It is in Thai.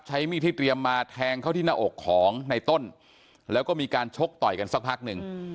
ใช้มีดที่เตรียมมาแทงเข้าที่หน้าอกของในต้นแล้วก็มีการชกต่อยกันสักพักหนึ่ง